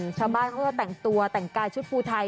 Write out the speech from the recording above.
มียากฝ่านได้ตังตัวต่างกายชุดภูธัย